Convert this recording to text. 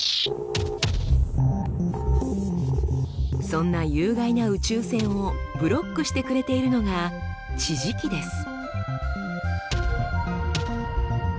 そんな有害な宇宙線をブロックしてくれているのが地磁気です。